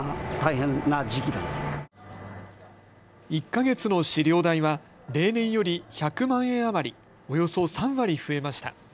１か月の飼料代は例年より１００万円余り、およそ３割増えました。